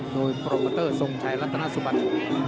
โดยโปรปเตอร์ซงชายรัฐทานัทสุบัติ